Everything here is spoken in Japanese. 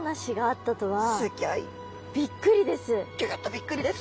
びっくりです。